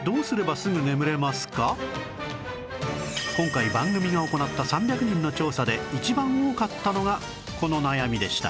今回番組が行った３００人の調査で一番多かったのがこの悩みでした